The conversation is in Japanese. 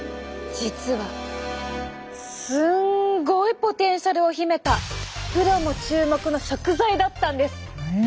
実はすんごいポテンシャルを秘めたプロも注目の食材だったんです。